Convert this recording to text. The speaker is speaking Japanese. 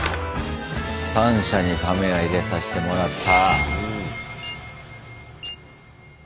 ３社にカメラ入れさせてもらった。